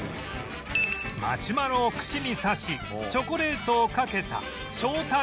マシュマロを串に刺しチョコレートをかけたしょう太